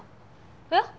えっ？